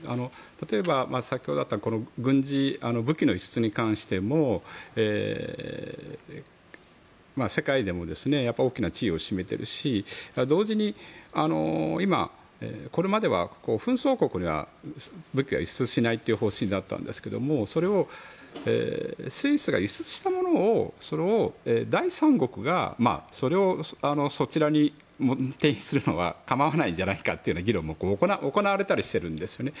例えば、先ほどあった武器の輸出に関しても世界でも大きな地位を占めてるし同時に今、これまでは紛争国には武器は輸出しないという方針だったんですけどもそれをスイスが輸出したものを第三国がそちらに提供するのは構わないんじゃないかという議論も行われたりしてるんですよね。